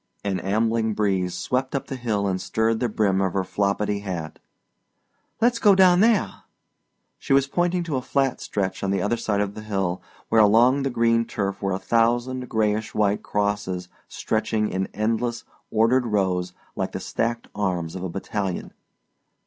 An ambling breeze swept up the hill and stirred the brim of her floppidy hat. "Let's go down there!" She was pointing to a flat stretch on the other side of the hill where along the green turf were a thousand grayish white crosses stretching in endless, ordered rows like the stacked arms of a battalion.